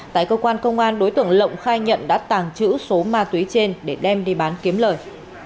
tại cơ quan công an đối tượng lộng khai nhận đã tàng trữ số ma túy trên để đem đi bán kiếm lời